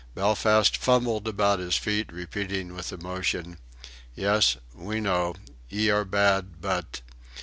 Belfast fumbled about his feet, repeating with emotion: "Yes. We know. Ye are bad, but....